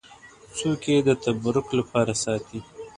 څوک یې د تبرک لپاره ساتي.